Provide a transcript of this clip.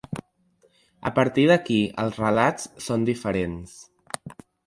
A partir d’aquí els relats són diferents.